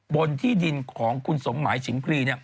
บนที่ดินของคุณสมหมายฉิงพรีเนี่ย